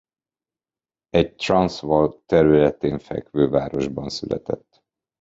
Egy Transvaal területén fekvő városban született.